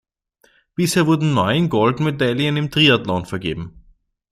Bisher wurden neun Goldmedaillen im Triathlon vergeben.